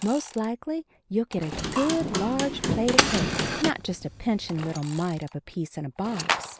Most likely you'll get a good, large plate of cake, not just a pinchin' little mite of a piece in a box.